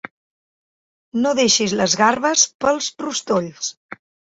No deixis les garbes pels rostolls.